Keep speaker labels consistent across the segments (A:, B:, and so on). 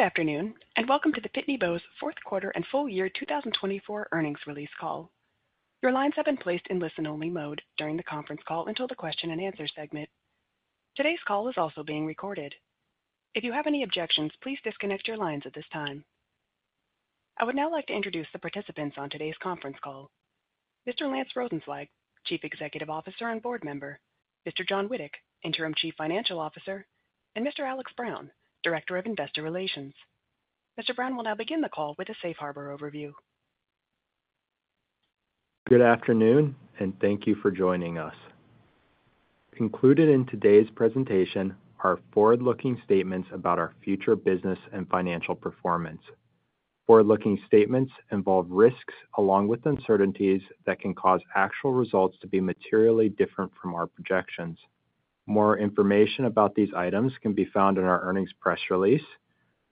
A: Good afternoon, and welcome to the Pitney Bowes Fourth Quarter and Full Year 2024 Earnings Release Call. Your lines have been placed in listen-only mode during the conference call until the question-and-answer segment. Today's call is also being recorded. If you have any objections, please disconnect your lines at this time. I would now like to introduce the participants on today's conference call: Mr. Lance Rosenzweig, Chief Executive Officer and Board Member, Mr. John Witek, Interim Chief Financial Officer, and Mr. Alex Brown, Director of Investor Relations. Mr. Brown will now begin the call with a Safe Harbor overview.
B: Good afternoon, and thank you for joining us. Included in today's presentation are forward-looking statements about our future business and financial performance. Forward-looking statements involve risks along with uncertainties that can cause actual results to be materially different from our projections. More information about these items can be found in our earnings press release,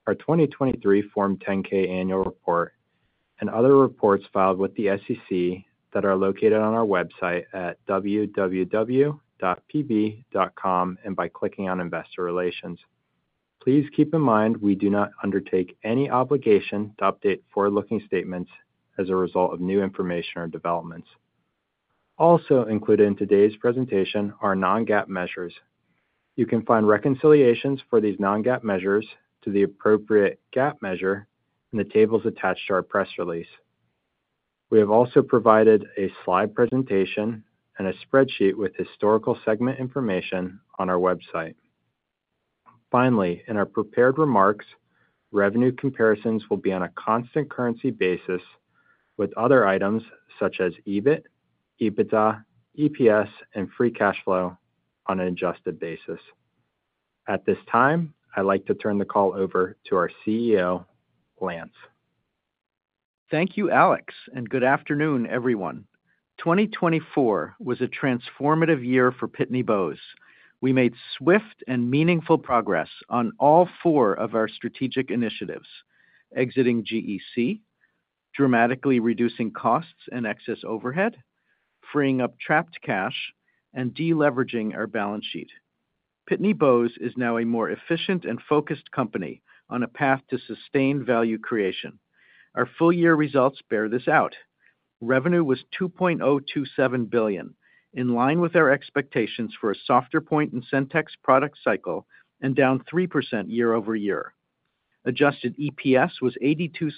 B: our 2023 Form 10-K annual report, and other reports filed with the SEC that are located on our website at www.pb.com and by clicking on Investor Relations. Please keep in mind we do not undertake any obligation to update forward-looking statements as a result of new information or developments. Also included in today's presentation are non-GAAP measures. You can find reconciliations for these non-GAAP measures to the appropriate GAAP measure in the tables attached to our press release. We have also provided a slide presentation and a spreadsheet with historical segment information on our website. Finally, in our prepared remarks, revenue comparisons will be on a constant currency basis with other items such as EBIT, EBITDA, EPS, and free cash flow on an adjusted basis. At this time, I'd like to turn the call over to our CEO, Lance.
C: Thank you, Alex, and good afternoon, everyone. 2024 was a transformative year for Pitney Bowes. We made swift and meaningful progress on all four of our strategic initiatives: exiting GEC, dramatically reducing costs and excess overhead, freeing up trapped cash, and deleveraging our balance sheet. Pitney Bowes is now a more efficient and focused company on a path to sustained value creation. Our full-year results bear this out. Revenue was $2.027 billion, in line with our expectations for a softer point in the SendTech's product cycle and down 3% year over year. Adjusted EPS was $0.82,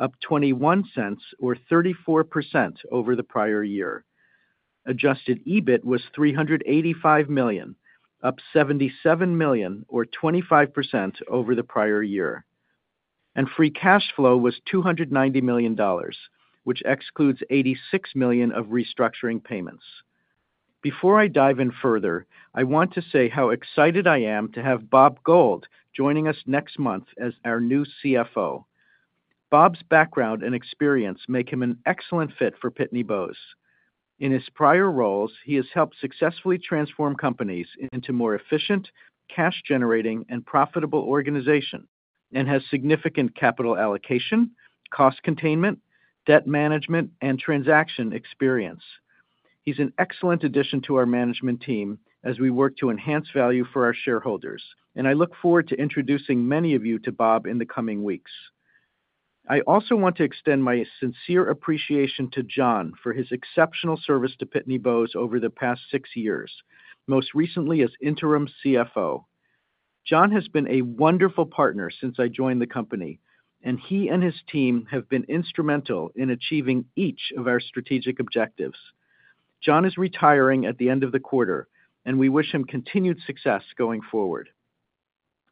C: up $0.21 or 34% over the prior year. Adjusted EBIT was $385 million, up $77 million or 25% over the prior year. And free cash flow was $290 million, which excludes $86 million of restructuring payments. Before I dive in further, I want to say how excited I am to have Bob Gold joining us next month as our new CFO. Bob's background and experience make him an excellent fit for Pitney Bowes. In his prior roles, he has helped successfully transform companies into more efficient, cash-generating, and profitable organizations and has significant capital allocation, cost containment, debt management, and transaction experience. He's an excellent addition to our management team as we work to enhance value for our shareholders, and I look forward to introducing many of you to Bob in the coming weeks. I also want to extend my sincere appreciation to John for his exceptional service to Pitney Bowes over the past six years, most recently as Interim CFO. John has been a wonderful partner since I joined the company, and he and his team have been instrumental in achieving each of our strategic objectives. John is retiring at the end of the quarter, and we wish him continued success going forward.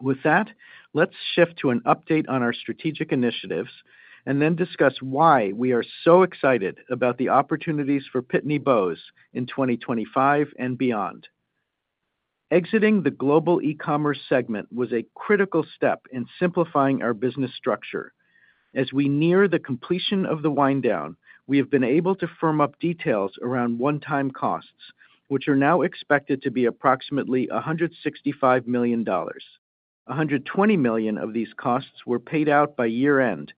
C: With that, let's shift to an update on our strategic initiatives and then discuss why we are so excited about the opportunities for Pitney Bowes in 2025 and beyond. Exiting the Global Ecommerce segment was a critical step in simplifying our business structure. As we near the completion of the wind-down, we have been able to firm up details around one-time costs, which are now expected to be approximately $165 million. $120 million of these costs were paid out by year-end,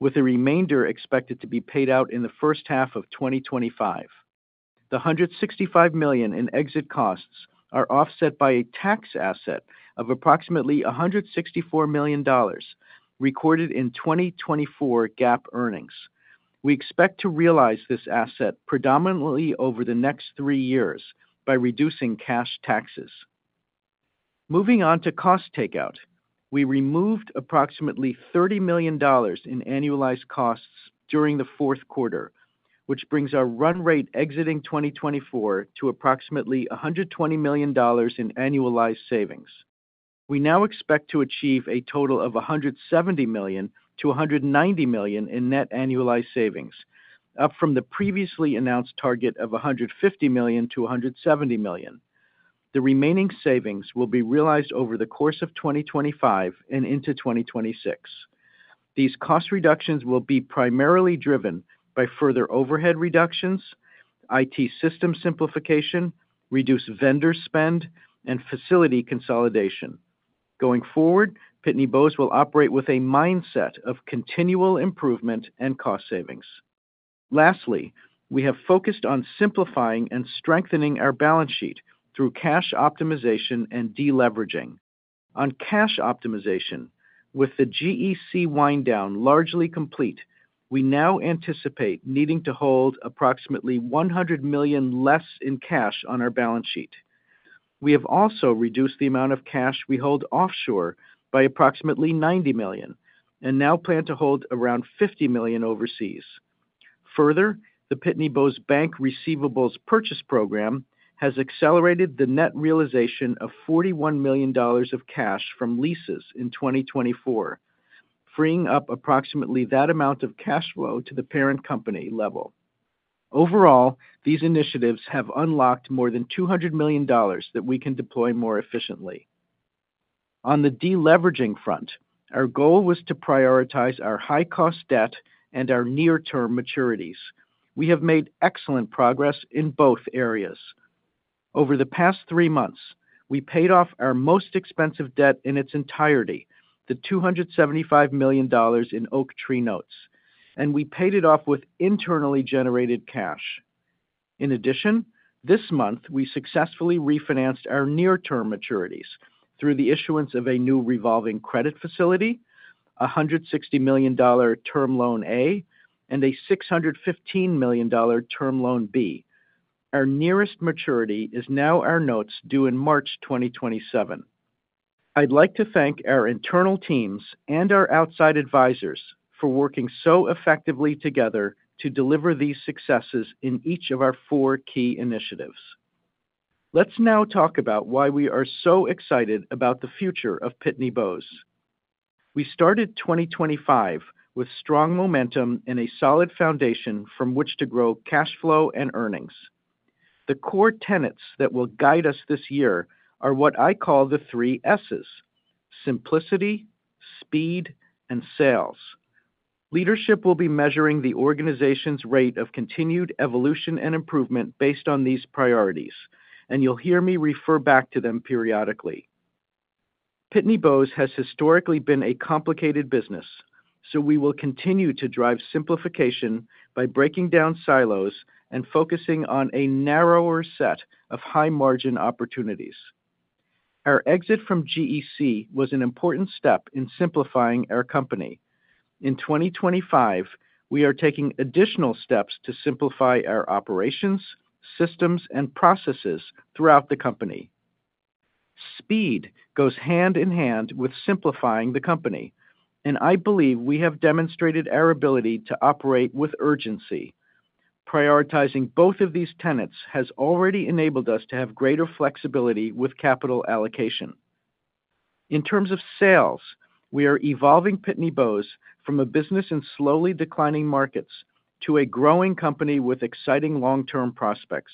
C: with the remainder expected to be paid out in the first half of 2025. The $165 million in exit costs are offset by a tax asset of approximately $164 million recorded in 2024 GAAP earnings. We expect to realize this asset predominantly over the next three years by reducing cash taxes. Moving on to cost takeout, we removed approximately $30 million in annualized costs during the fourth quarter, which brings our run rate exiting 2024 to approximately $120 million in annualized savings. We now expect to achieve a total of $170 million-$190 million in net annualized savings, up from the previously announced target of $150 million-$170 million. The remaining savings will be realized over the course of 2025 and into 2026. These cost reductions will be primarily driven by further overhead reductions, IT system simplification, reduced vendor spend, and facility consolidation. Going forward, Pitney Bowes will operate with a mindset of continual improvement and cost savings. Lastly, we have focused on simplifying and strengthening our balance sheet through cash optimization and deleveraging. On cash optimization, with the GEC wind-down largely complete, we now anticipate needing to hold approximately $100 million less in cash on our balance sheet. We have also reduced the amount of cash we hold offshore by approximately $90 million and now plan to hold around $50 million overseas. Further, the Pitney Bowes Bank receivables purchase program has accelerated the net realization of $41 million of cash from leases in 2024, freeing up approximately that amount of cash flow to the parent company level. Overall, these initiatives have unlocked more than $200 million that we can deploy more efficiently. On the deleveraging front, our goal was to prioritize our high-cost debt and our near-term maturities. We have made excellent progress in both areas. Over the past three months, we paid off our most expensive debt in its entirety, the $275 million in Oaktree Notes, and we paid it off with internally generated cash. In addition, this month we successfully refinanced our near-term maturities through the issuance of a new revolving credit facility, a $160 million Term Loan A, and a $615 million Term Loan B. Our nearest maturity is now our notes due in March 2027. I'd like to thank our internal teams and our outside advisors for working so effectively together to deliver these successes in each of our four key initiatives. Let's now talk about why we are so excited about the future of Pitney Bowes. We started 2025 with strong momentum and a solid foundation from which to grow cash flow and earnings. The core tenets that will guide us this year are what I call the three S's: simplicity, speed, and sales. Leadership will be measuring the organization's rate of continued evolution and improvement based on these priorities, and you'll hear me refer back to them periodically. Pitney Bowes has historically been a complicated business, so we will continue to drive simplification by breaking down silos and focusing on a narrower set of high-margin opportunities. Our exit from GEC was an important step in simplifying our company. In 2025, we are taking additional steps to simplify our operations, systems, and processes throughout the company. Speed goes hand in hand with simplifying the company, and I believe we have demonstrated our ability to operate with urgency. Prioritizing both of these tenets has already enabled us to have greater flexibility with capital allocation. In terms of sales, we are evolving Pitney Bowes from a business in slowly declining markets to a growing company with exciting long-term prospects,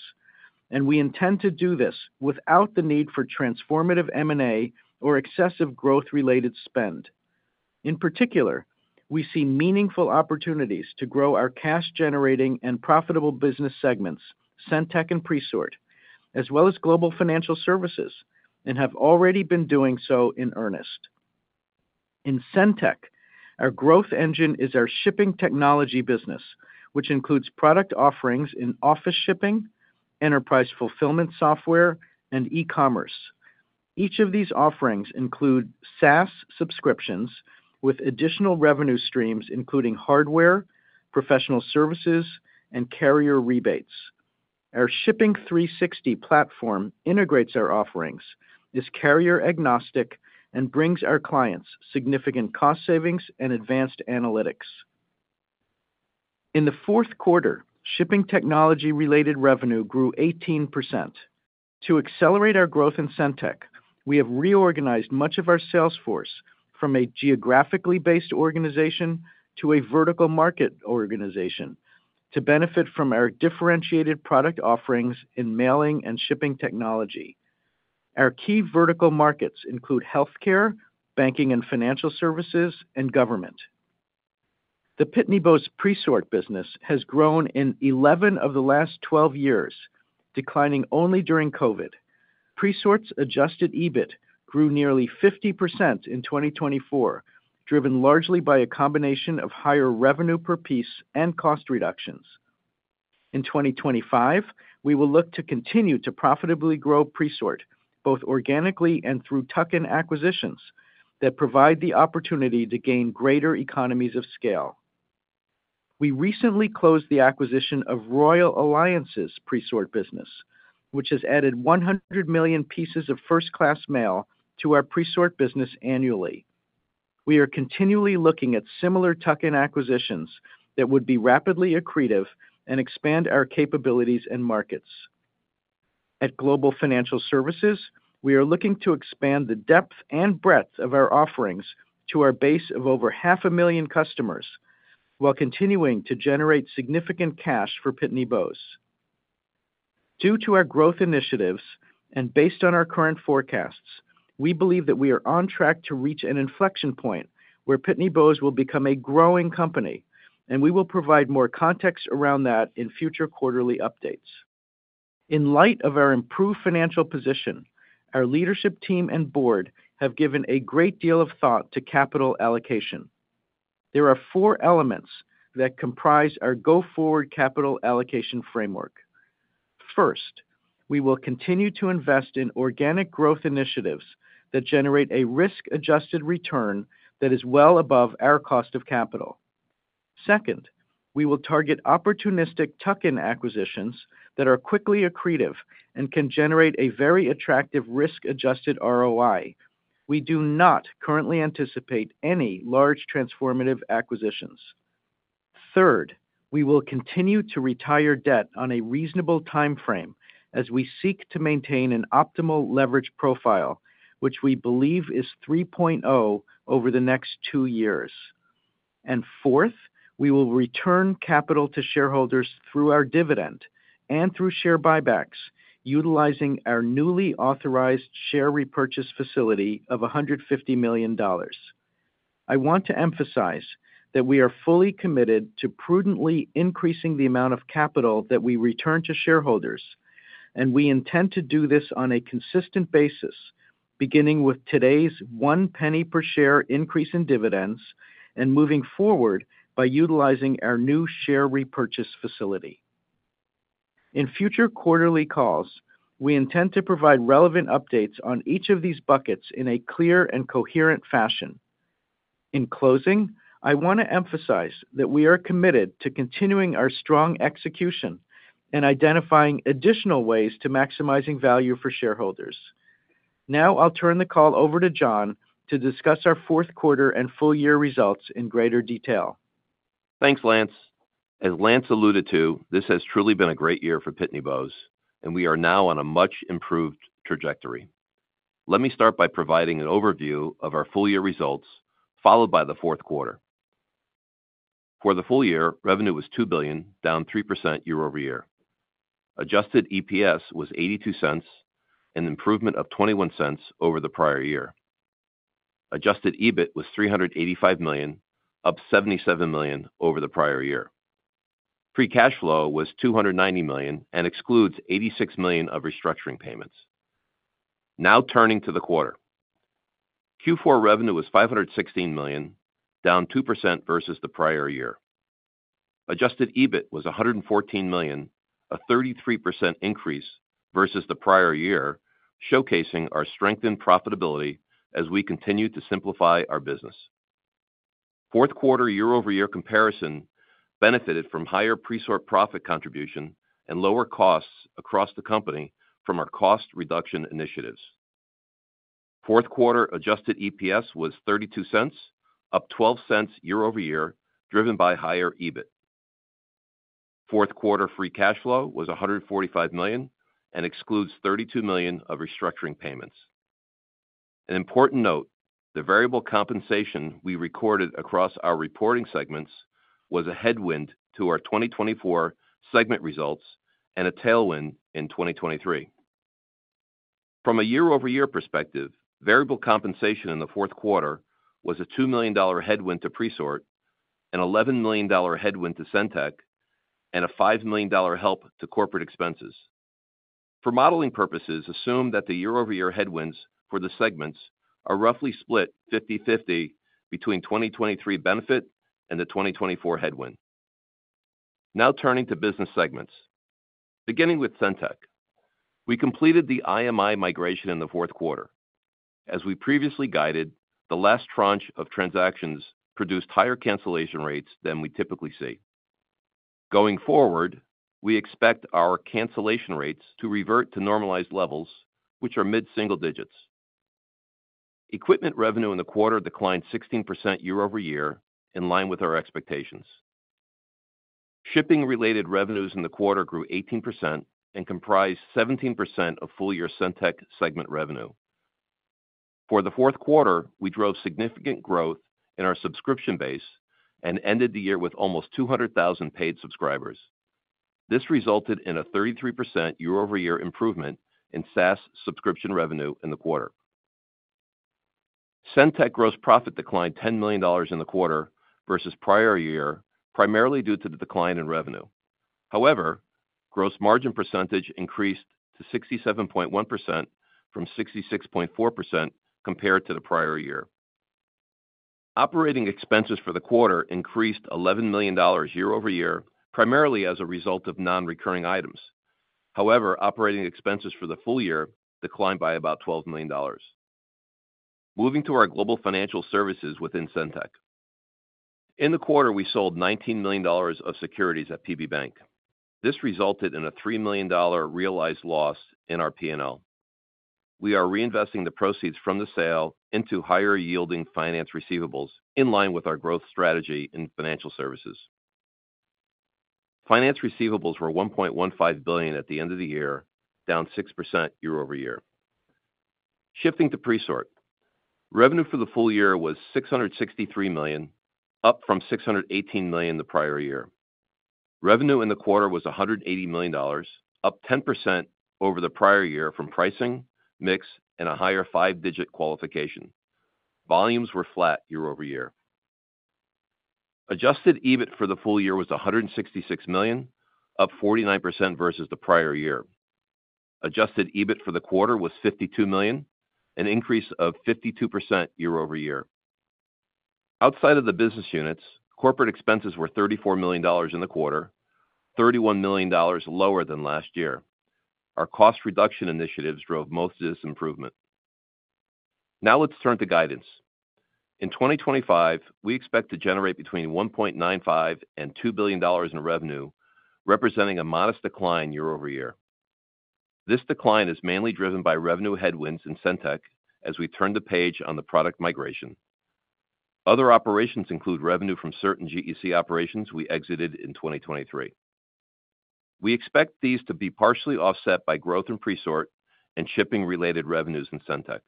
C: and we intend to do this without the need for transformative M&A or excessive growth-related spend. In particular, we see meaningful opportunities to grow our cash-generating and profitable business segments, SendTech and Presort, as well as Global Financial Services, and have already been doing so in earnest. In SendTech, our growth engine is our shipping technology business, which includes product offerings in office shipping, enterprise fulfillment software, and e-commerce. Each of these offerings includes SaaS subscriptions with additional revenue streams including hardware, professional services, and carrier rebates. Our Shipping 360 platform integrates our offerings, is carrier-agnostic, and brings our clients significant cost savings and advanced analytics. In the fourth quarter, shipping technology-related revenue grew 18%. To accelerate our growth in SendTech, we have reorganized much of our sales force from a geographically based organization to a vertical market organization to benefit from our differentiated product offerings in mailing and shipping technology. Our key vertical markets include healthcare, banking and financial services, and government. The Pitney Bowes Presort business has grown in 11 of the last 12 years, declining only during COVID. Presort's Adjusted EBIT grew nearly 50% in 2024, driven largely by a combination of higher revenue per piece and cost reductions. In 2025, we will look to continue to profitably grow Presort both organically and through tuck-in acquisitions that provide the opportunity to gain greater economies of scale. We recently closed the acquisition of Royal Alliances' Presort business, which has added 100 million pieces of First-Class Mail to our Presort business annually. We are continually looking at similar tuck-in acquisitions that would be rapidly accretive and expand our capabilities and markets. At Global Financial Services, we are looking to expand the depth and breadth of our offerings to our base of over 500,000 customers while continuing to generate significant cash for Pitney Bowes. Due to our growth initiatives and based on our current forecasts, we believe that we are on track to reach an inflection point where Pitney Bowes will become a growing company, and we will provide more context around that in future quarterly updates. In light of our improved financial position, our leadership team and board have given a great deal of thought to capital allocation. There are four elements that comprise our go-forward capital allocation framework. First, we will continue to invest in organic growth initiatives that generate a risk-adjusted return that is well above our cost of capital. Second, we will target opportunistic tuck-in acquisitions that are quickly accretive and can generate a very attractive risk-adjusted ROI. We do not currently anticipate any large transformative acquisitions. Third, we will continue to retire debt on a reasonable timeframe as we seek to maintain an optimal leverage profile, which we believe is 3.0 over the next two years. And fourth, we will return capital to shareholders through our dividend and through share buybacks, utilizing our newly authorized share repurchase facility of $150 million. I want to emphasize that we are fully committed to prudently increasing the amount of capital that we return to shareholders, and we intend to do this on a consistent basis, beginning with today's $0.01 per share increase in dividends and moving forward by utilizing our new share repurchase facility. In future quarterly calls, we intend to provide relevant updates on each of these buckets in a clear and coherent fashion. In closing, I want to emphasize that we are committed to continuing our strong execution and identifying additional ways to maximize value for shareholders. Now I'll turn the call over to John to discuss our fourth quarter and full year results in greater detail.
D: Thanks, Lance. As Lance alluded to, this has truly been a great year for Pitney Bowes, and we are now on a much improved trajectory. Let me start by providing an overview of our full year results, followed by the fourth quarter. For the full year, revenue was $2 billion, down 3% year-over-year. Adjusted EPS was $0.82, an improvement of $0.21 over the prior year. Adjusted EBIT was $385 million, up $77 million over the prior year. Free cash flow was $290 million and excludes $86 million of restructuring payments. Now turning to the quarter, Q4 revenue was $516 million, down 2% versus the prior year. Adjusted EBIT was $114 million, a 33% increase versus the prior year, showcasing our strengthened profitability as we continue to simplify our business. Fourth quarter year-over-year comparison benefited from higher Presort profit contribution and lower costs across the company from our cost reduction initiatives. Fourth quarter adjusted EPS was $0.32, up $0.12 year-over-year, driven by higher EBIT. Fourth quarter free cash flow was $145 million and excludes $32 million of restructuring payments. An important note, the variable compensation we recorded across our reporting segments was a headwind to our 2024 segment results and a tailwind in 2023. From a year-over-year perspective, variable compensation in the fourth quarter was a $2 million headwind to Presort, an $11 million headwind to SendTech, and a $5 million help to corporate expenses. For modeling purposes, assume that the year-over-year headwinds for the segments are roughly split 50/50 between 2023 benefit and the 2024 headwind. Now turning to business segments, beginning with SendTech, we completed the IMI migration in the fourth quarter. As we previously guided, the last tranche of transactions produced higher cancellation rates than we typically see. Going forward, we expect our cancellation rates to revert to normalized levels, which are mid-single digits. Equipment revenue in the quarter declined 16% year-over-year, in line with our expectations. Shipping-related revenues in the quarter grew 18% and comprised 17% of full year SendTech segment revenue. For the fourth quarter, we drove significant growth in our subscription base and ended the year with almost 200,000 paid subscribers. This resulted in a 33% year-over-year improvement in SaaS subscription revenue in the quarter. SendTech gross profit declined $10 million in the quarter versus prior year, primarily due to the decline in revenue. However, gross margin percentage increased to 67.1% from 66.4% compared to the prior year. Operating expenses for the quarter increased $11 million year-over-year, primarily as a result of non-recurring items. However, operating expenses for the full year declined by about $12 million. Moving to our Global Financial Services within SendTech. In the quarter, we sold $19 million of securities at PB Bank. This resulted in a $3 million realized loss in our P&L. We are reinvesting the proceeds from the sale into higher-yielding finance receivables in line with our growth strategy in financial services. Finance receivables were $1.15 billion at the end of the year, down 6% year-over-year. Shifting to Presort, revenue for the full year was $663 million, up from $618 million the prior year. Revenue in the quarter was $180 million, up 10% over the prior year from pricing, mix, and a higher five-digit qualification. Volumes were flat year-over-year. Adjusted EBIT for the full year was $166 million, up 49% versus the prior year. Adjusted EBIT for the quarter was $52 million, an increase of 52% year-over-year. Outside of the business units, corporate expenses were $34 million in the quarter, $31 million lower than last year. Our cost reduction initiatives drove most of this improvement. Now let's turn to guidance. In 2025, we expect to generate between $1.95 billion and $2 billion in revenue, representing a modest decline year-over-year. This decline is mainly driven by revenue headwinds in SendTech as we turn the page on the product migration. Other operations include revenue from certain GEC operations we exited in 2023. We expect these to be partially offset by growth in Presort and shipping-related revenues in SendTech.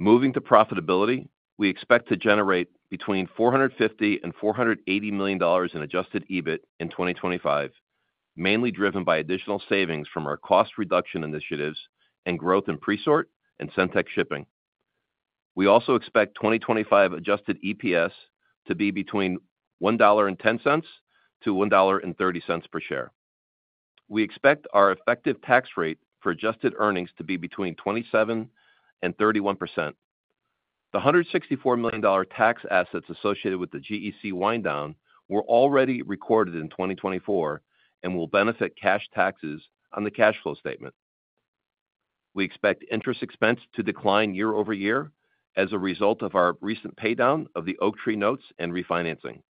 D: Moving to profitability, we expect to generate between $450 million and $480 million in Adjusted EBIT in 2025, mainly driven by additional savings from our cost reduction initiatives and growth in Presort and SendTech shipping. We also expect 2025 Adjusted EPS to be between $1.10 to $1.30 per share. We expect our effective tax rate for adjusted earnings to be between 27% and 31%. The $164 million tax assets associated with the GEC wind-down were already recorded in 2024 and will benefit cash taxes on the cash flow statement. We expect interest expense to decline year-over-year as a result of our recent paydown of the Oaktree Notes and refinancing.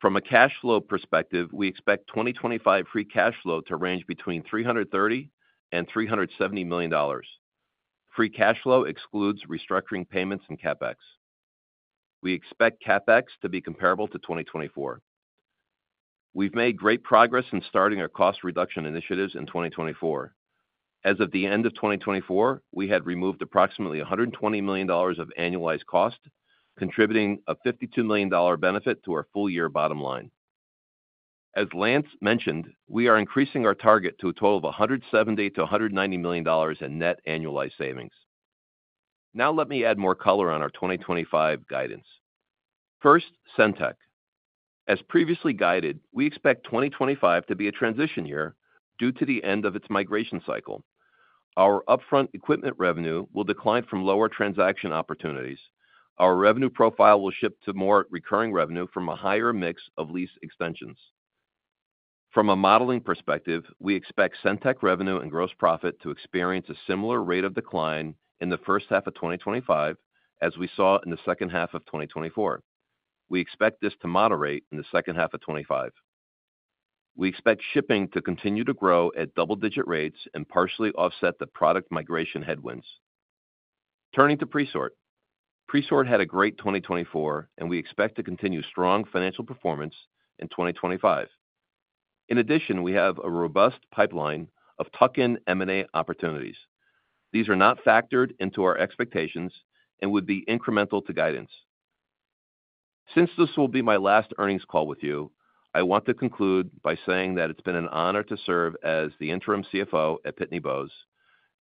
D: From a cash flow perspective, we expect 2025 free cash flow to range between $330 million and $370 million. Free cash flow excludes restructuring payments and CapEx. We expect CapEx to be comparable to 2024. We've made great progress in starting our cost reduction initiatives in 2024. As of the end of 2024, we had removed approximately $120 million of annualized cost, contributing a $52 million benefit to our full year bottom line. As Lance mentioned, we are increasing our target to a total of $170 million-$190 million in net annualized savings. Now let me add more color on our 2025 guidance. First, SendTech. As previously guided, we expect 2025 to be a transition year due to the end of its migration cycle. Our upfront equipment revenue will decline from lower transaction opportunities. Our revenue profile will shift to more recurring revenue from a higher mix of lease extensions. From a modeling perspective, we expect SendTech revenue and gross profit to experience a similar rate of decline in the first half of 2025, as we saw in the second half of 2024. We expect this to moderate in the second half of 2025. We expect shipping to continue to grow at double-digit rates and partially offset the product migration headwinds. Turning to Presort, Presort had a great 2024, and we expect to continue strong financial performance in 2025. In addition, we have a robust pipeline of tuck-in and M&A opportunities. These are not factored into our expectations and would be incremental to guidance. Since this will be my last earnings call with you, I want to conclude by saying that it's been an honor to serve as the Interim CFO at Pitney Bowes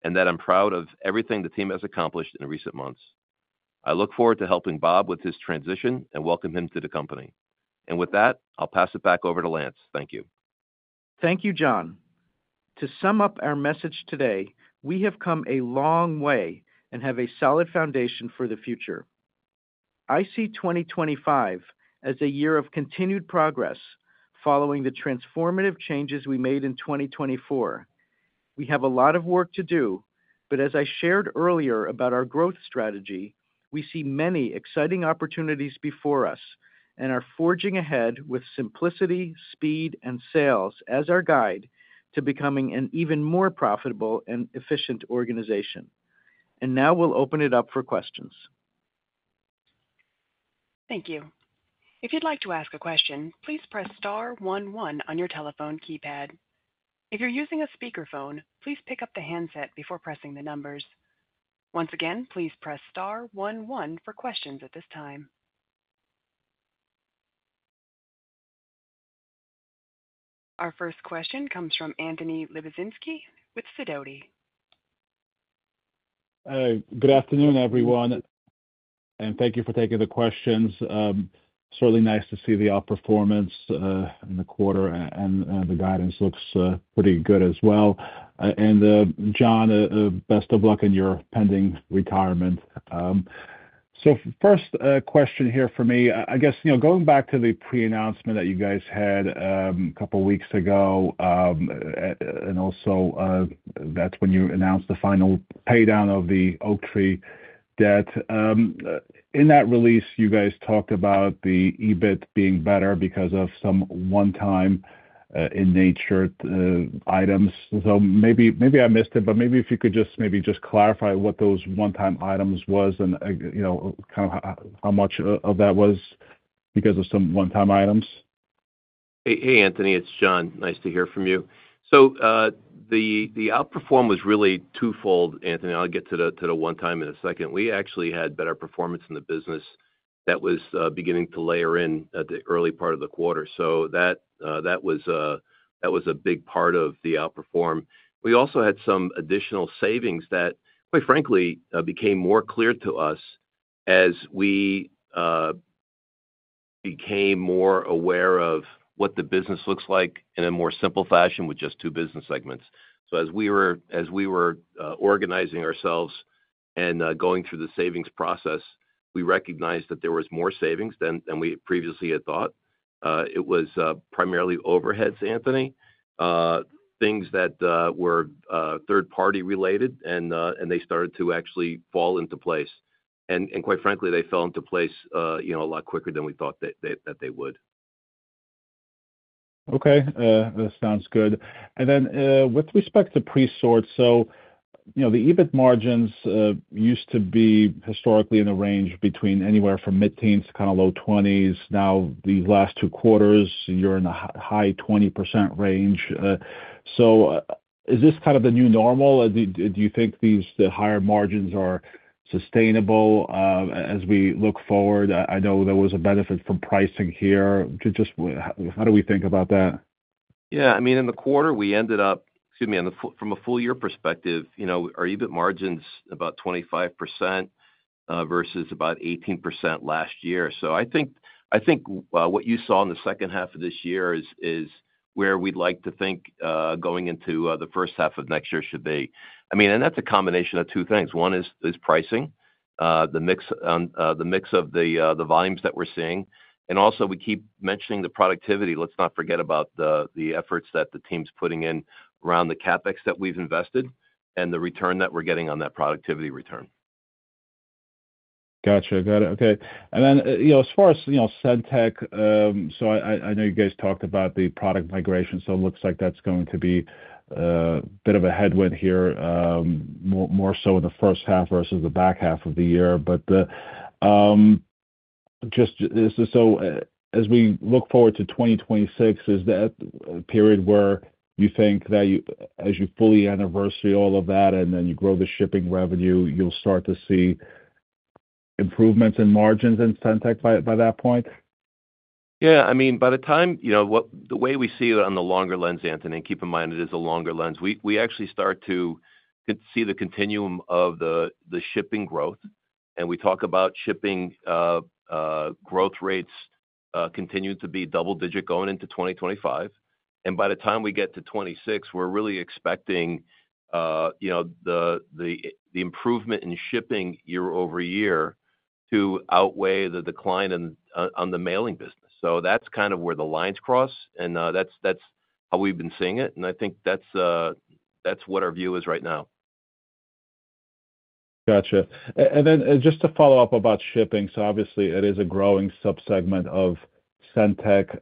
D: and that I'm proud of everything the team has accomplished in recent months. I look forward to helping Bob with his transition and welcome him to the company. And with that, I'll pass it back over to Lance. Thank you.
C: Thank you, John. To sum up our message today, we have come a long way and have a solid foundation for the future. I see 2025 as a year of continued progress following the transformative changes we made in 2024. We have a lot of work to do, but as I shared earlier about our growth strategy, we see many exciting opportunities before us and are forging ahead with simplicity, speed, and sales as our guide to becoming an even more profitable and efficient organization. And now we'll open it up for questions.
A: Thank you. If you'd like to ask a question, please press star one one on your telephone keypad. If you're using a speakerphone, please pick up the handset before pressing the numbers. Once again, please press star one one for questions at this time. Our first question comes from Anthony Lebiedzinski with Sidoti.
E: Good afternoon, everyone, and thank you for taking the questions. Certainly nice to see the outperformance in the quarter, and the guidance looks pretty good as well. And John, best of luck in your pending retirement. So first question here for me, I guess going back to the pre-announcement that you guys had a couple of weeks ago, and also that's when you announced the final paydown of the Oaktree debt. In that release, you guys talked about the EBIT being better because of some one-time in nature items. So maybe I missed it, but maybe if you could just maybe just clarify what those one-time items were and kind of how much of that was because of some one-time items?
D: Hey, Anthony, it's John. Nice to hear from you. So the outperform was really twofold, Anthony. I'll get to the one-time in a second. We actually had better performance in the business that was beginning to layer in at the early part of the quarter. So that was a big part of the outperform. We also had some additional savings that, quite frankly, became more clear to us as we became more aware of what the business looks like in a more simple fashion with just two business segments. So as we were organizing ourselves and going through the savings process, we recognized that there were more savings than we previously had thought. It was primarily overheads, Anthony, things that were third-party related, and they started to actually fall into place. And quite frankly, they fell into place a lot quicker than we thought that they would.
E: Okay, that sounds good. And then with respect to Presort, so the EBIT margins used to be historically in the range between anywhere from mid-teens to kind of low 20s. Now, these last two quarters, you're in the high 20% range. So is this kind of the new normal? Do you think these higher margins are sustainable as we look forward? I know there was a benefit from pricing here. How do we think about that?
D: Yeah, I mean, in the quarter, we ended up, excuse me, from a full year perspective, our EBIT margins were about 25% versus about 18% last year. So I think what you saw in the second half of this year is where we'd like to think going into the first half of next year should be. I mean, and that's a combination of two things. One is pricing, the mix of the volumes that we're seeing. And also, we keep mentioning the productivity. Let's not forget about the efforts that the team's putting in around the CapEx that we've invested and the return that we're getting on that productivity return.
E: Gotcha. Got it. Okay. And then as far as SendTech, so I know you guys talked about the product migration, so it looks like that's going to be a bit of a headwind here, more so in the first half versus the back half of the year. But just so as we look forward to 2026, is that a period where you think that as you fully anniversary all of that and then you grow the shipping revenue, you'll start to see improvements in margins in SendTech by that point?
D: Yeah, I mean, by the time the way we see it on the longer lens, Anthony, and keep in mind it is a longer lens, we actually start to see the continuum of the shipping growth. And we talk about shipping growth rates continuing to be double-digit going into 2025. And by the time we get to 26, we're really expecting the improvement in shipping year-over-year to outweigh the decline on the mailing business. So that's kind of where the lines cross, and that's how we've been seeing it. And I think that's what our view is right now.
E: Gotcha. And then just to follow up about shipping, so obviously, it is a growing subsegment of SendTech.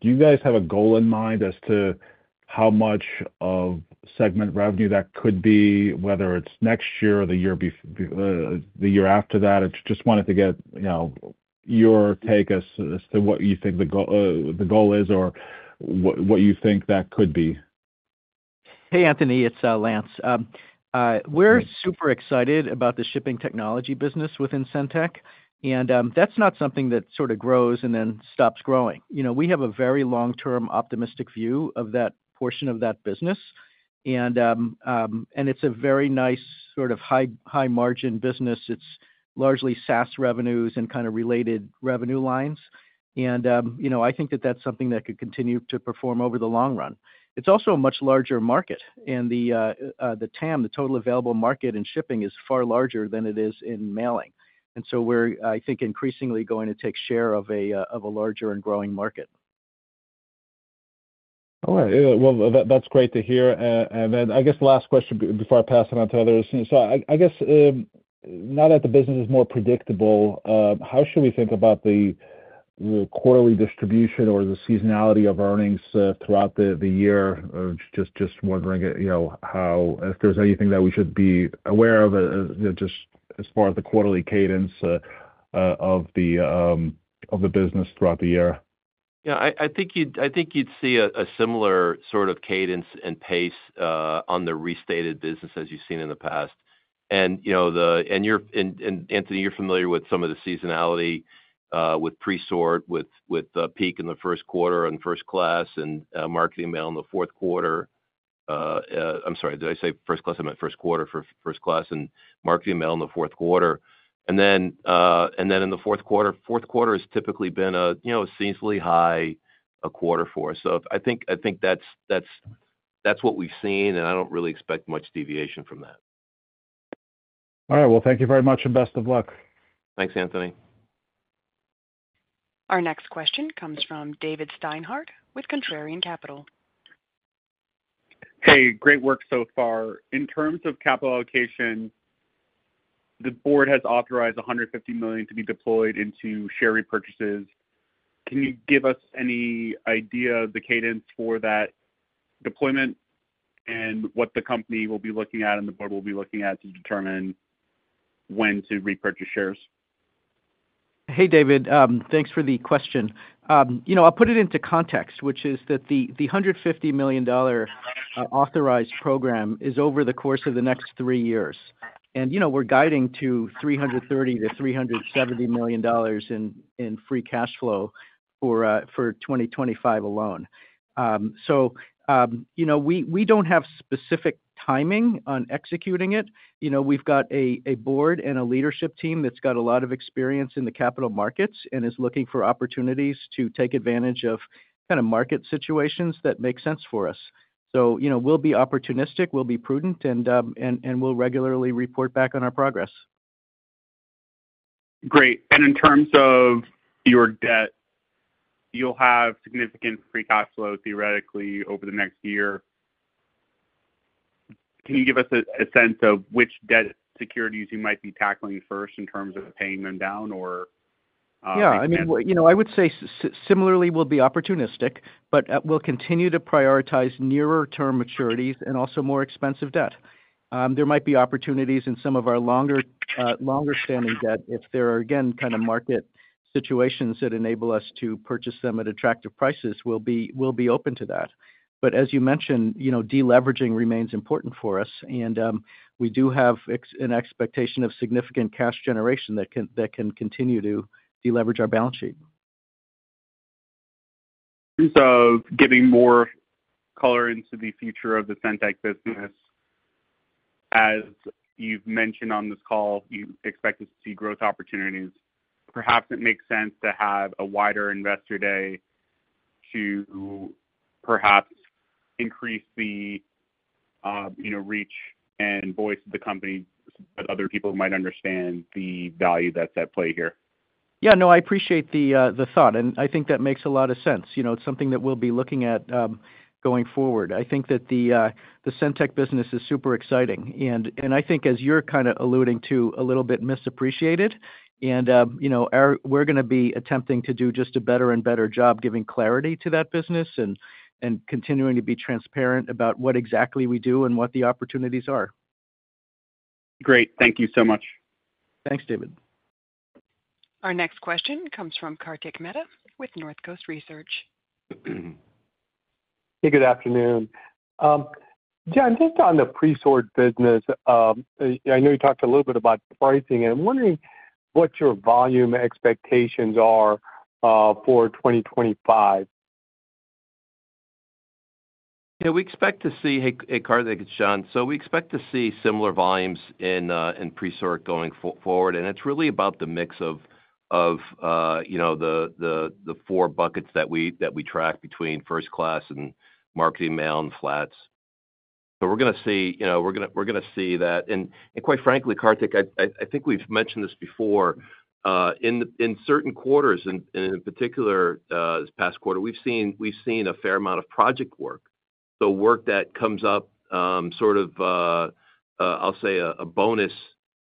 E: Do you guys have a goal in mind as to how much of segment revenue that could be, whether it's next year or the year after that? I just wanted to get your take as to what you think the goal is or what you think that could be?
C: Hey, Anthony, it's Lance. We're super excited about the shipping technology business within SendTech, and that's not something that sort of grows and then stops growing. We have a very long-term optimistic view of that portion of that business, and it's a very nice sort of high-margin business. It's largely SaaS revenues and kind of related revenue lines. And I think that that's something that could continue to perform over the long run. It's also a much larger market, and the TAM, the total available market in shipping, is far larger than it is in mailing. And so we're, I think, increasingly going to take share of a larger and growing market.
E: All right. Well, that's great to hear. And then I guess last question before I pass it on to others. So I guess now that the business is more predictable, how should we think about the quarterly distribution or the seasonality of earnings throughout the year? Just wondering how, if there's anything that we should be aware of just as far as the quarterly cadence of the business throughout the year?
D: Yeah, I think you'd see a similar sort of cadence and pace on the restated business as you've seen in the past. Anthony, you're familiar with some of the seasonality with Presort, with peak in the first quarter and First-Class and Marketing Mail in the fourth quarter. I'm sorry, did I say First-Class? I meant first quarter for First-Class and Marketing Mail in the fourth quarter. Then in the fourth quarter, fourth quarter has typically been a seasonally high quarter for us. So I think that's what we've seen, and I don't really expect much deviation from that.
E: All right. Well, thank you very much and best of luck.
D: Thanks, Anthony.
A: Our next question comes from David Steinhardt with Contrarian Capital.
F: Hey, great work so far. In terms of capital allocation, the board has authorized $150 million to be deployed into share repurchases. Can you give us any idea of the cadence for that deployment and what the company will be looking at and the board will be looking at to determine when to repurchase shares?
C: Hey, David, thanks for the question. I'll put it into context, which is that the $150 million authorized program is over the course of the next three years, and we're guiding to $330million-$370 million in free cash flow for 2025 alone, so we don't have specific timing on executing it. We've got a board and a leadership team that's got a lot of experience in the capital markets and is looking for opportunities to take advantage of kind of market situations that make sense for us. So we'll be opportunistic, we'll be prudent, and we'll regularly report back on our progress.
F: Great. And in terms of your debt, you'll have significant free cash flow theoretically over the next year. Can you give us a sense of which debt securities you might be tackling first in terms of paying them down or?
C: Yeah, I mean, I would say similarly, we'll be opportunistic, but we'll continue to prioritize nearer-term maturities and also more expensive debt. There might be opportunities in some of our longer-standing debt if there are, again, kind of market situations that enable us to purchase them at attractive prices. We'll be open to that. But as you mentioned, deleveraging remains important for us, and we do have an expectation of significant cash generation that can continue to deleverage our balance sheet.
F: So giving more color into the future of the SendTech business, as you've mentioned on this call, you expect to see growth opportunities. Perhaps it makes sense to have a wider investor day to perhaps increase the reach and voice of the company so that other people might understand the value that's at play here.
C: Yeah, no, I appreciate the thought, and I think that makes a lot of sense. It's something that we'll be looking at going forward. I think that the SendTech business is super exciting. And I think, as you're kind of alluding to, a little bit misappreciated. And we're going to be attempting to do just a better and better job giving clarity to that business and continuing to be transparent about what exactly we do and what the opportunities are.
F: Great. Thank you so much.
C: Thanks, David.
A: Our next question comes from Kartik Mehta with Northcoast Research.
G: Hey, good afternoon. John, just on the Presort business, I know you talked a little bit about pricing, and I'm wondering what your volume expectations are for 2025?
D: Yeah, we expect to see. Hey, Karthik, it's John. So we expect to see similar volumes in Pre-sort going forward. And it's really about the mix of the four buckets that we track between First-Class and Marketing Mail and flats. So we're going to see that. And quite frankly, Karthik, I think we've mentioned this before. In certain quarters, and in particular this past quarter, we've seen a fair amount of project work. So work that comes up sort of, I'll say, a bonus,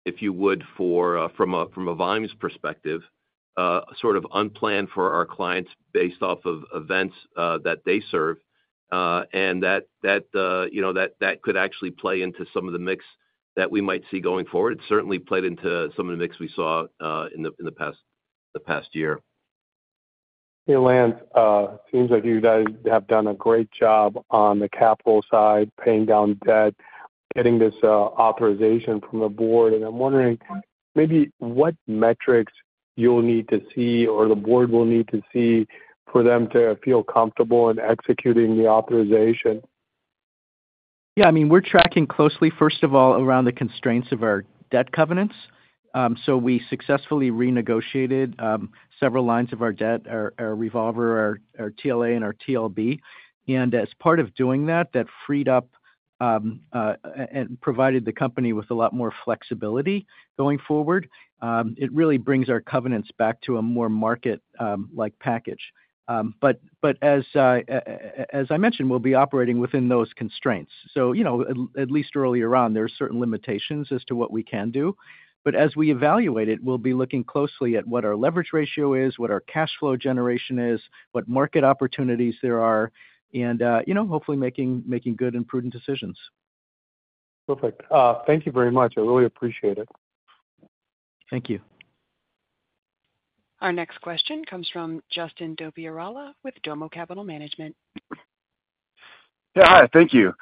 D: if you would, from a volumes perspective, sort of unplanned for our clients based off of events that they serve. And that could actually play into some of the mix that we might see going forward. It certainly played into some of the mix we saw in the past year.
G: Hey, Lance, it seems like you guys have done a great job on the capital side, paying down debt, getting this authorization from the board. And I'm wondering maybe what metrics you'll need to see or the board will need to see for them to feel comfortable in executing the authorization?
C: Yeah, I mean, we're tracking closely, first of all, around the constraints of our debt covenants. So we successfully renegotiated several lines of our debt, our revolver, our TLA, and our TLB. And as part of doing that, that freed up and provided the company with a lot more flexibility going forward. It really brings our covenants back to a more market-like package. But as I mentioned, we'll be operating within those constraints. So at least earlier on, there are certain limitations as to what we can do. But as we evaluate it, we'll be looking closely at what our leverage ratio is, what our cash flow generation is, what market opportunities there are, and hopefully making good and prudent decisions.
G: Perfect. Thank you very much. I really appreciate it.
C: Thank you.
A: Our next question comes from Justin Dopierala with Domo Capital Management.
H: Yeah, hi. Thank you.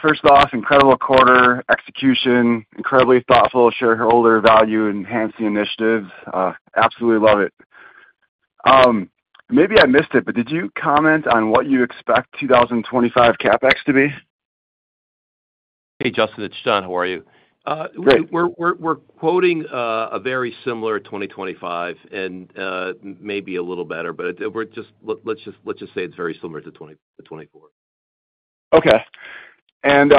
H: First off, incredible quarter execution, incredibly thoughtful, shareholder value, and handsome initiatives. Absolutely love it. Maybe I missed it, but did you comment on what you expect 2025 CapEx to be?
D: Hey, Justin, it's John. How are you? We're quoting a very similar 2025 and maybe a little better, but let's just say it's very similar to 2024.
H: Okay. And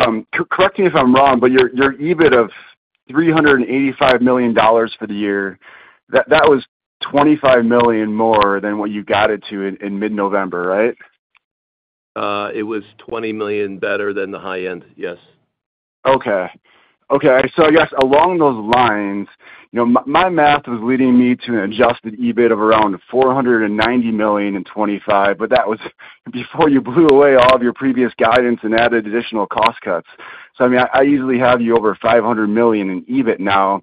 H: correct me if I'm wrong, but your EBIT of $385 million for the year, that was 25 million more than what you got it to in mid-November, right?
D: It was 20 million better than the high end, yes.
H: Okay. Okay. So I guess along those lines, my math was leading me to an adjusted EBIT of around 490 million in 2025, but that was before you blew away all of your previous guidance and added additional cost cuts. So I mean, I easily have you over 500 million in EBIT now.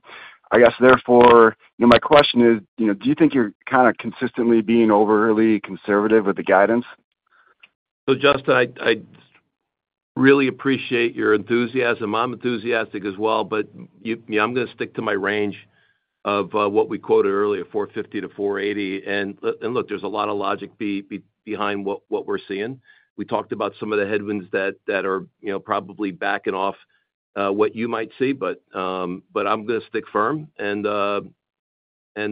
H: I guess therefore, my question is, do you think you're kind of consistently being overly conservative with the guidance?
D: So Justin, I really appreciate your enthusiasm. I'm enthusiastic as well, but I'm going to stick to my range of what we quoted earlier, 450-480. And look, there's a lot of logic behind what we're seeing. We talked about some of the headwinds that are probably backing off what you might see, but I'm going to stick firm and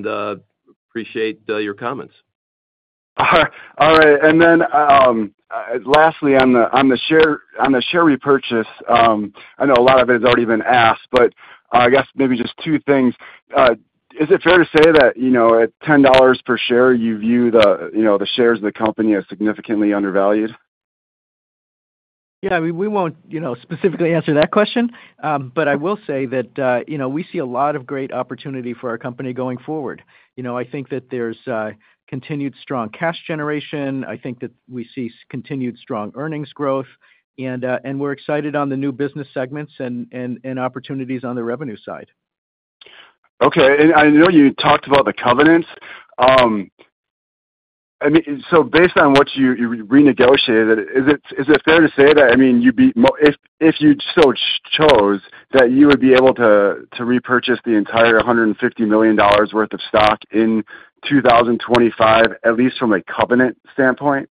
D: appreciate your comments.
H: All right. And then lastly, on the share repurchase, I know a lot of it has already been asked, but I guess maybe just two things. Is it fair to say that at $10 per share, you view the shares of the company as significantly undervalued?
C: Yeah, we won't specifically answer that question, but I will say that we see a lot of great opportunity for our company going forward. I think that there's continued strong cash generation. I think that we see continued strong earnings growth, and we're excited on the new business segments and opportunities on the revenue side.
H: Okay. And I know you talked about the covenants. I mean, so based on what you renegotiated, is it fair to say that, I mean, if you so chose, that you would be able to repurchase the entire $150 million worth of stock in 2025, at least from a covenant standpoint?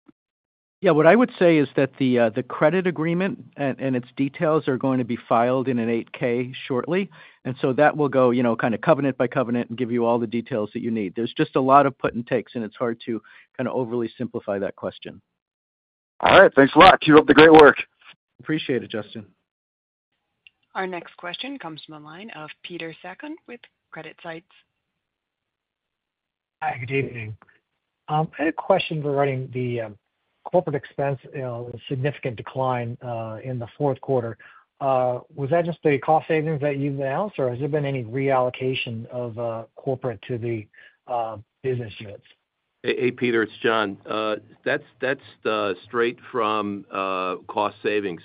C: Yeah, what I would say is that the credit agreement and its details are going to be filed in an 8-K shortly. And so that will go kind of covenant by covenant and give you all the details that you need. There's just a lot of puts and takes, and it's hard to kind of overly simplify that question.
H: All right. Thanks a lot. Keep up the great work.
C: Appreciate it, Justin.
A: Our next question comes from the line of Peter Sakon with CreditSights.
I: Hi, good evening. I had a question regarding the corporate expense, a significant decline in the fourth quarter. Was that just the cost savings that you announced, or has there been any reallocation of corporate to the business units?
D: Hey, Peter, it's John. That's straight from cost savings.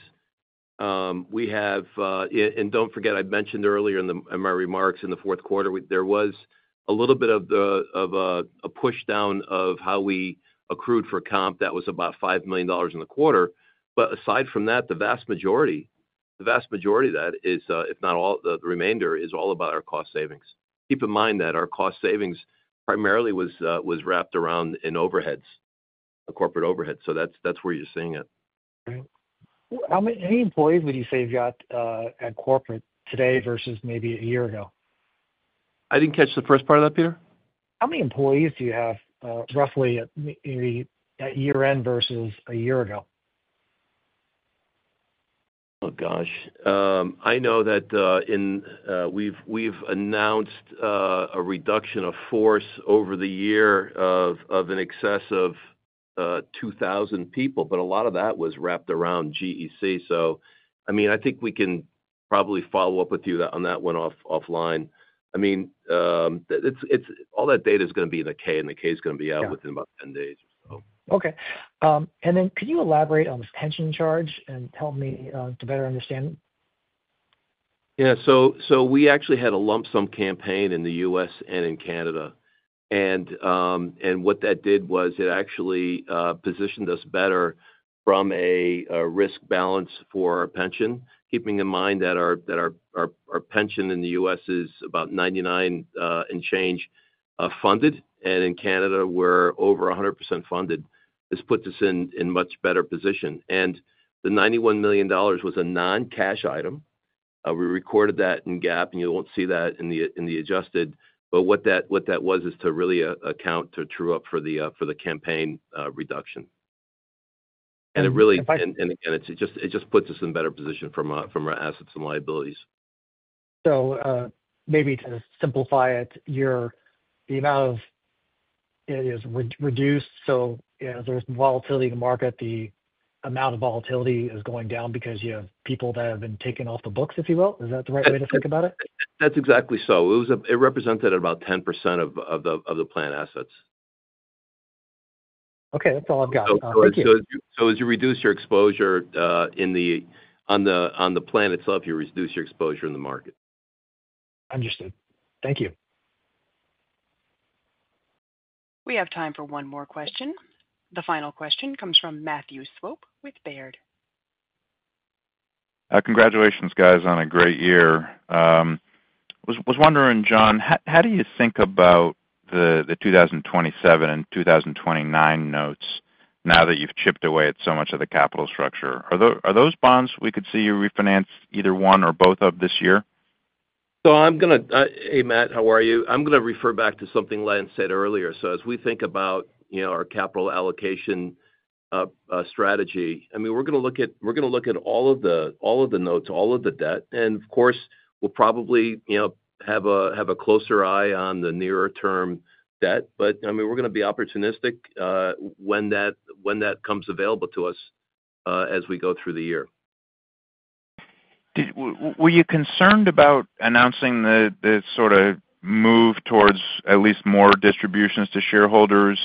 D: And don't forget, I mentioned earlier in my remarks in the fourth quarter, there was a little bit of a pushdown of how we accrued for comp. That was about $5 million in the quarter. But aside from that, the vast majority of that is, if not all, the remainder is all about our cost savings. Keep in mind that our cost savings primarily was wrapped around in overheads, corporate overheads. So that's where you're seeing it.
I: Right. How many employees would you say you've got at corporate today versus maybe a year ago?
D: I didn't catch the first part of that, Peter.
I: How many employees do you have roughly at year-end versus a year ago?
D: Oh, gosh. I know that we've announced a reduction of force over the year of an excess of 2,000 people, but a lot of that was wrapped around GEC. So I mean, I think we can probably follow up with you on that one offline. I mean, all that data is going to be in the 10-K, and the 10-K is going to be out within about 10 days or so.
I: Okay. And then could you elaborate on this pension charge and help me to better understand?
D: Yeah. So we actually had a lump sum campaign in the U.S. and in Canada. And what that did was it actually positioned us better from a risk balance for our pension, keeping in mind that our pension in the U.S. is about 99 and change funded. And in Canada, we're over 100% funded. This puts us in a much better position. And the $91 million was a non-cash item. We recorded that in GAAP, and you won't see that in the adjusted. But what that was is to really account to true up for the campaign reduction. And it really, and again, it just puts us in a better position from our assets and liabilities.
I: So maybe to simplify it, the amount of it is reduced. So as there's volatility in the market, the amount of volatility is going down because you have people that have been taken off the books, if you will. Is that the right way to think about it?
D: That's exactly so. It represented about 10% of the plan assets.
I: Okay. That's all I've got. Thank you.
D: So as you reduce your exposure on the plan itself, you reduce your exposure in the market.
I: Understood. Thank you.
A: We have time for one more question. The final question comes from Matthew Swope with Baird.
J: Congratulations, guys, on a great year. I was wondering, John, how do you think about the 2027 and 2029 notes now that you've chipped away at so much of the capital structure? Are those bonds we could see you refinance either one or both of this year?
D: So I'm going to - hey, Matthew, how are you? I'm going to refer back to something Lance said earlier, so as we think about our capital allocation strategy, I mean, we're going to look at, we're going to look at all of the notes, all of the debt, and of course, we'll probably have a closer eye on the nearer-term debt, but I mean, we're going to be opportunistic when that comes available to us as we go through the year.
J: Were you concerned about announcing this sort of move towards at least more distributions to shareholders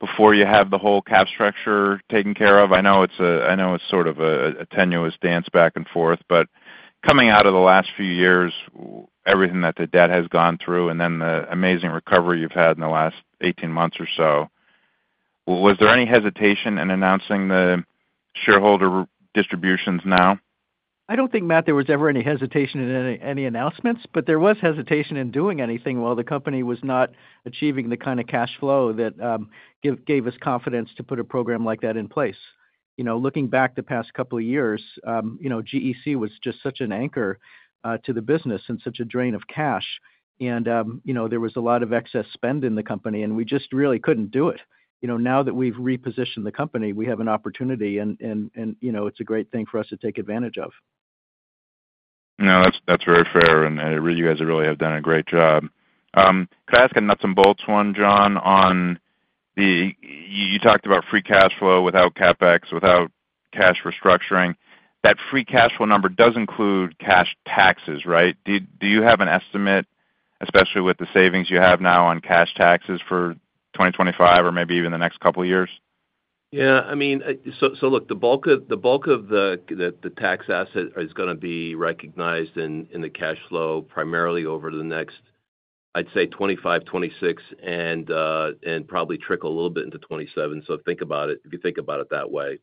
J: before you have the whole cap structure taken care of? I know it's sort of a tenuous dance back and forth, but coming out of the last few years, everything that the debt has gone through, and then the amazing recovery you've had in the last 18 months or so, was there any hesitation in announcing the shareholder distributions now?
C: I don't think, Matthew, there was ever any hesitation in any announcements, but there was hesitation in doing anything while the company was not achieving the kind of cash flow that gave us confidence to put a program like that in place. Looking back, the past couple of years, GEC was just such an anchor to the business and such a drain of cash. And there was a lot of excess spend in the company, and we just really couldn't do it. Now that we've repositioned the company, we have an opportunity, and it's a great thing for us to take advantage of.
J: No, that's very fair. And you guys really have done a great job. Could I ask a nuts-and-bolts one, John, on the - you talked about free cash flow without CapEx, without cash restructuring. That free cash flow number does include cash taxes, right? Do you have an estimate, especially with the savings you have now on cash taxes for 2025 or maybe even the next couple of years?
D: Yeah. I mean, so look, the bulk of the tax asset is going to be recognized in the cash flow primarily over the next, I'd say, 2025, 2026, and probably trickle a little bit into 2027. So think about it if you think about it that way.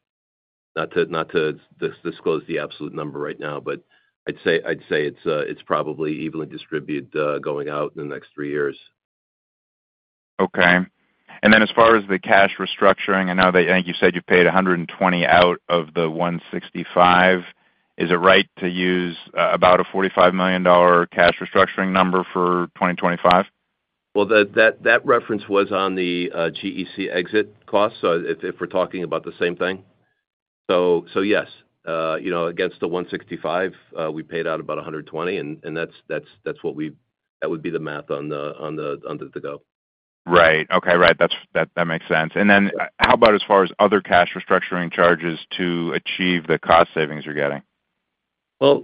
D: Not to disclose the absolute number right now, but I'd say it's probably evenly distributed going out in the next three years.
J: Okay. And then as far as the cash restructuring, I know that you said you paid 120 out of the 165. Is it right to use about a $45 million cash restructuring number for 2025?
D: Well, that reference was on the GEC exit cost, so if we're talking about the same thing. So yes, against the $165, we paid out about $120, and that's what we, that would be the math on the go.
J: Right. Okay. Right. That makes sense. And then how about as far as other cash restructuring charges to achieve the cost savings you're getting?
D: Well,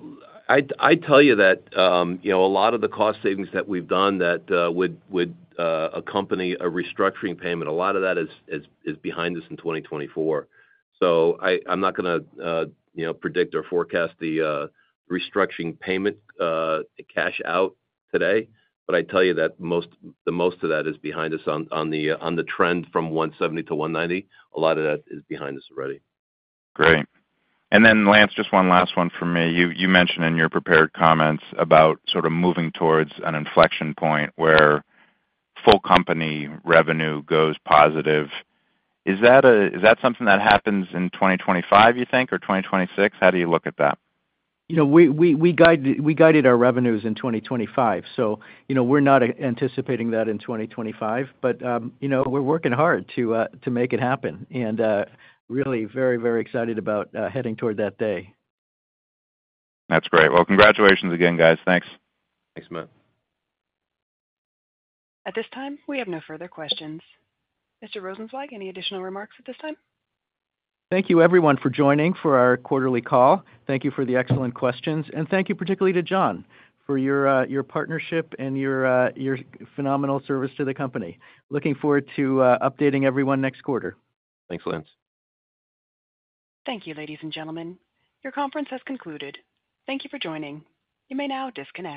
D: I tell you that a lot of the cost savings that we've done that would accompany a restructuring payment, a lot of that is behind us in 2024. So I'm not going to predict or forecast the restructuring payment cash out today, but I tell you that most of that is behind us on the trend from $170-$190. A lot of that is behind us already.
J: Great. And then, Lance, just one last one for me. You mentioned in your prepared comments about sort of moving towards an inflection point where full company revenue goes positive. Is that something that happens in 2025, you think, or 2026? How do you look at that?
C: We guided our revenues in 2025, so we're not anticipating that in 2025, but we're working hard to make it happen and really very, very excited about heading toward that day.
J: That's great. Well, congratulations again, guys. Thanks.
D: Thanks, Matthew.
A: At this time, we have no further questions. Mr. Rosenzweig, any additional remarks at this time?
C: Thank you, everyone, for joining for our quarterly call. Thank you for the excellent questions, and thank you particularly to John for your partnership and your phenomenal service to the company. Looking forward to updating everyone next quarter.
D: Thanks, Lance.
A: Thank you, ladies and gentlemen. Your conference has concluded. Thank you for joining. You may now disconnect.